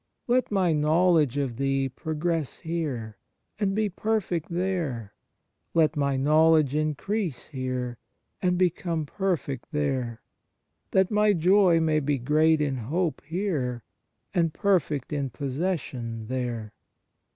Let my knowledge of Thee progress here, and be perfect there ; let my love increase here, and become 30 ON THE NATURE OF GRACE perfect there, that my joy may be great in hope here, and perfect in possession there.